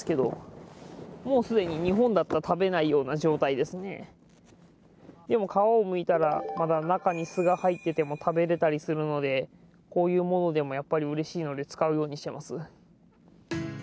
でも皮を剥いたらまだ中にスが入っていても食べれたりするのでこういうものでもやっぱりうれしいので使うようにしています。